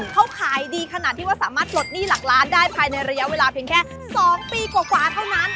เขาขายดีขนาดที่ว่าสามารถปลดหนี้หลักล้านได้ภายในระยะเวลาเพียงแค่๒ปีกว่าเท่านั้น